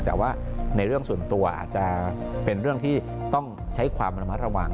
แต่ว่าในเรื่องส่วนตัวอาจจะเป็นเรื่องที่ต้องใช้ความระมัดระวัง